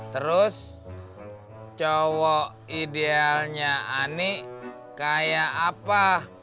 terus cowok idealnya ani kayak apa